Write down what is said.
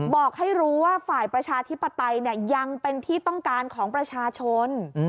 บอกให้รู้ว่าฝ่ายประชาธิปไตยยังเป็นที่ต้องการของประชาชน